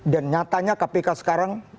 dan nyatanya kpk sekarang